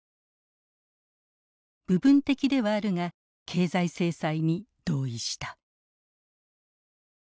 部分的ではあるが経済制裁に同意した。